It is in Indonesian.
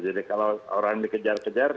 jadi kalau orang dikejar kejar